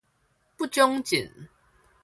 不長進